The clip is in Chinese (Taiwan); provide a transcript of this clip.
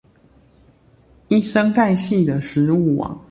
一生態系的食物網